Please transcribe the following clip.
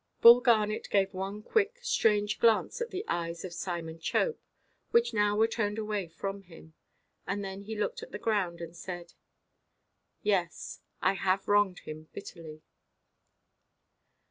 Bull Garnet gave one quick strange glance at the eyes of Simon Chope, which now were turned away from him, and then he looked at the ground, and said, "Yes; I have wronged him bitterly."